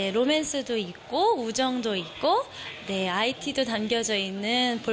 เราเป็นครอบคราวที่ดูค่ะ